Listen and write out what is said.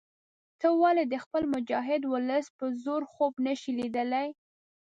ته ولې د خپل مجاهد ولس په زور خوب نه شې لیدلای.